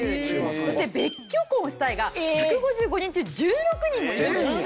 そして別居婚したいが１５５人中１６人もいるんです。